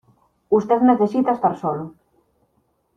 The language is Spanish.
usted necesita estar solo.